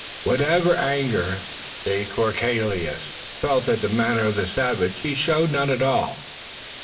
Whatever anger de Courcelles may have felt at the manners of the savage he showed none at all.